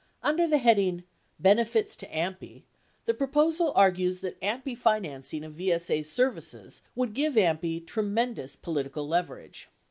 Under the heading, "Benefits to AMPI," the proposal argues that AMPI financing of VSA's services would give AMPI "tremendous political leverage."